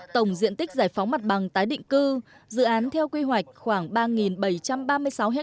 tổng diện tích giải phóng mặt bằng tái định cư dự án theo quy hoạch khoảng ba bảy trăm ba mươi sáu ha